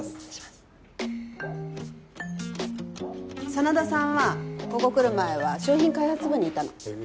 真田さんはここ来る前は商品開発部にいたの。